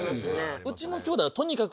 うちの兄弟はとにかく。